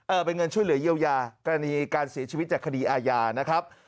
เป็นเงินช่วยเหลือเยียวยากรณีการเสียชีวิตจากคดีอาญานะครับ